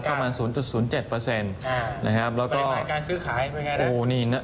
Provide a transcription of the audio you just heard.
ปริมาณการซื้อขายเป็นยังไงนะ